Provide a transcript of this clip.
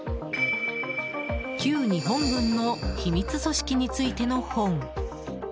旧日本軍の秘密組織についての本。